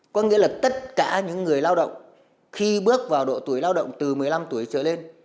có nghĩa là tất cả những người lao động khi bước vào độ tuổi lao động từ một mươi năm tuổi trở lên